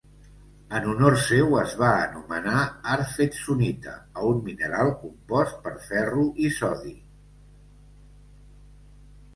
En honor seu, es va anomenar Arfvedsonita a un mineral, compost per ferro i sodi.